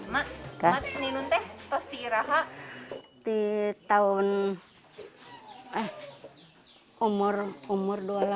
mak kamu menenun atau tidak